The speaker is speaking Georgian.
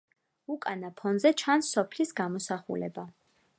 უკანა ფონზე ჩანს სოფლის გამოსახულება.